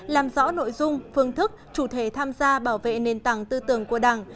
làm rõ nội dung phương thức chủ thể tham gia bảo vệ nền tảng tư tưởng của đảng